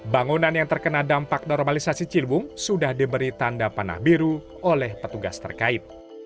bangunan yang terkena dampak normalisasi ciliwung sudah diberi tanda panah biru oleh petugas terkait